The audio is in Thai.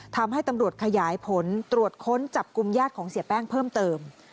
ทำให้ตำรวจขยายผลตรวจค้นจับกลุ่มญาติของเสียแป้งเพิ่มเติม